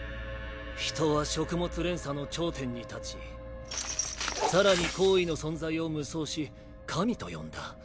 人は食物連鎖の頂点に立ち更に高位の存在を夢想し神と呼んだ。